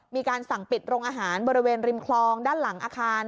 มีการสั่งปิดโรงอาหารบริเวณริมคลองด้านหลังอาคาร